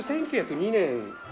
１９０２年。